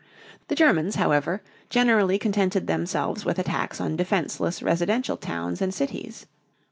The Germans, however, generally contented themselves with attacks on defenseless residential towns and cities.